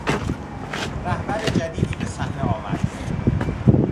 رهبر جدیدی به صحنه آمد.